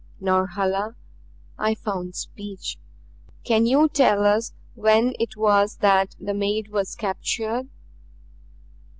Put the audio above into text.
"Norhala" I found speech "can you tell us when it was that the maid was captured?"